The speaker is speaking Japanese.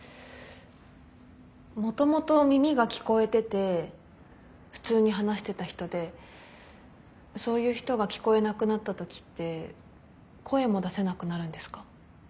もともと耳が聞こえてて普通に話してた人でそういう人が聞こえなくなったときって声も出せなくなるんですか？